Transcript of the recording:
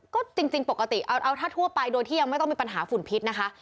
ก็จริงปกติเอาถ้าทั่วไปโดยที่ยังไม่ต้องมีปัญหาฝุ่นพิษนะคะ